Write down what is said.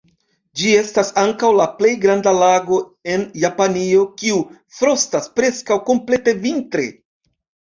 Ĝi estas ankaŭ la plej granda lago en Japanio kiu frostas preskaŭ komplete vintre.